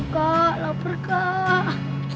kak lapar kak